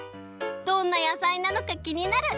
どんな野菜なのかきになる！